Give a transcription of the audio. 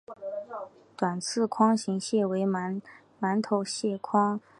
短刺筐形蟹为馒头蟹科筐形蟹属的动物。